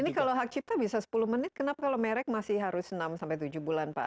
ini kalau hak cipta bisa sepuluh menit kenapa kalau merek masih harus enam sampai tujuh bulan pak